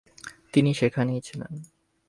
তিনি সেখানেই ছিলেন।